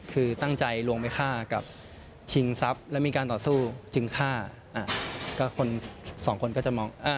คือตั้งใจลวงไปฆ่ากับชิงทรัพย์แล้วมีการต่อสู้จึงฆ่าก็คนสองคนก็จะมอง